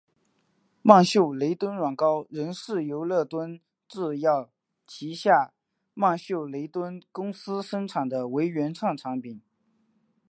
曼秀雷敦软膏仍是由乐敦制药旗下曼秀雷敦公司生产的为原创产品。